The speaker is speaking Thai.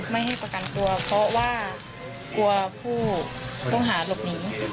ไม่ให้ประกันตัวเพราะว่ากลัวผู้ต้องหาหลบหนี